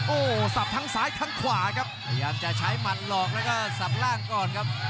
โอ้โหสับทั้งซ้ายทั้งขวาครับพยายามจะใช้หมัดหลอกแล้วก็สับล่างก่อนครับ